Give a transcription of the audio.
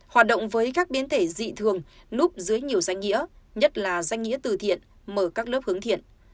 hoạt động với các biến thể dị thường núp dưới nhiều danh nghĩa nhất là danh nghĩa tử thiện mở các lớp hướng thiện